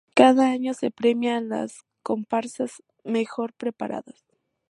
Cada año se premia a las comparsas mejor preparadas.